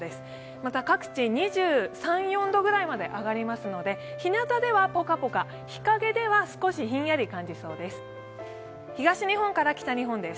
また各地、２３２４度ぐらいまで上がりますのでひなたではポカポカ、日陰では少しひんやり感じそうです。